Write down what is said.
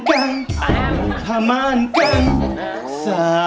ระเผาทรักษ์